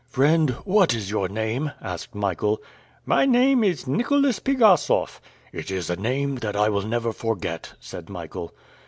"Friend, what is your name?" asked Michael. "My name is Nicholas Pigassof." "It is a name that I will never forget," said Michael.